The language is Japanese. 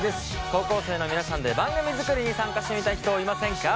高校生の皆さんで番組作りに参加してみたい人いませんか？